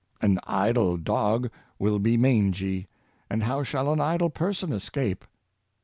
^^*^ An idle dog will be mangy; and how shall an idle person escape?